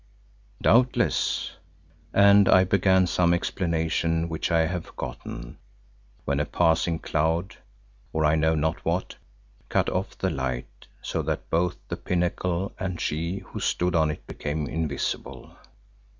"Doubtless——" and I began some explanation which I have forgotten, when a passing cloud, or I know not what, cut off the light so that both the pinnacle and she who stood on it became invisible.